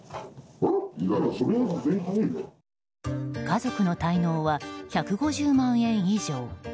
家族の滞納は１５０万円以上。